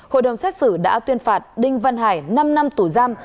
hội đồng xét xử đã tuyên phạt đinh văn hải năm năm tù giam